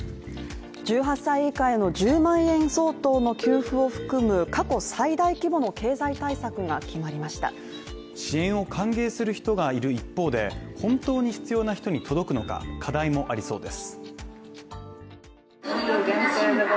１８歳以下への１０万円相当の給付を含む過去最大規模の経済対策が決まりました支援を歓迎する人がいる一方で、本当に必要な人に届くのか、課題もありそうです